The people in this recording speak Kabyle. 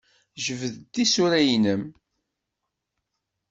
Jbed-d tisura-nnem.